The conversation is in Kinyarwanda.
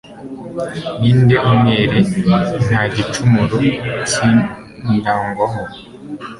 ndi umwere, nta gicumuro kindangwaho